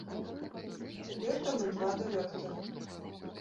Цяпер там і два дырэктары.